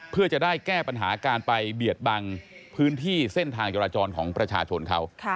เพื่อจะได้แก้ปัญหาการไปเบียดบังพื้นที่เส้นทางจราจรของประชาชนเขา